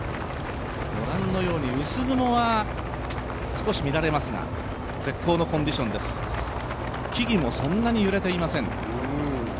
ご覧のように薄雲は少しみられますが絶好のコンディションです、木々もそんなに揺れていません。